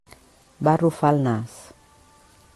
Va arrufar el nas.